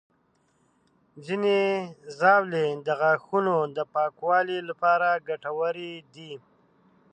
ځینې ژاولې د غاښونو د پاکوالي لپاره ګټورې دي.